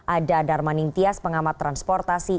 ada darmaning tias pengamat transportasi